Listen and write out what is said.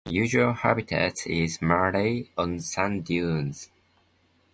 The usual habitat is mallee on sand dunes.